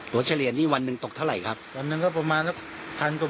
ท่องเที่ยวก็ได้เยอะหน่อยท่องเที่ยวก็ประมาณตัวนึง